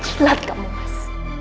jelat kamu mas